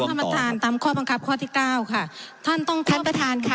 ท่านประธานตามข้อบังคับข้อที่เก้าค่ะท่านต้องท่านประธานค่ะ